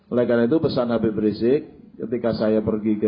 oleh karena itu pesan habib rizik ketika saya pergi ke